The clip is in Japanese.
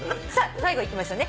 最後いきましょうね。